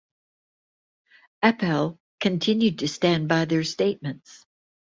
Appel continued to stand by their statements.